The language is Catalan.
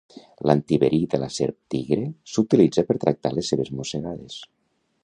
L'antiverí de la serp tigre s'utilitza per tractar les seves mossegades.